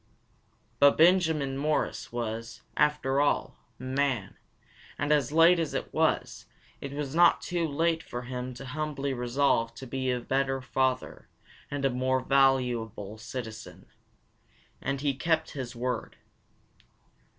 But Benjamin Morris was, after all, a man; and late as it was, it was not too late for him to humbly resolve to be a better father, and a more valuable citizen. And he kept his word.